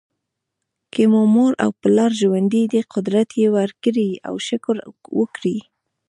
که مو مور او پلار ژوندي دي قدر یې وکړئ او شکر وکړئ.